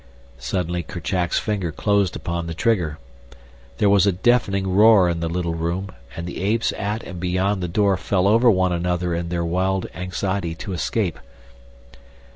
Suddenly Kerchak's finger closed upon the trigger. There was a deafening roar in the little room and the apes at and beyond the door fell over one another in their wild anxiety to escape.